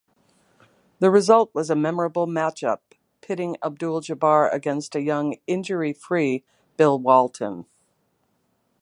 The result was a memorable matchup, pitting Abdul-Jabbar against a young, injury-free Bill Walton.